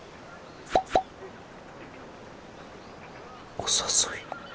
お誘い。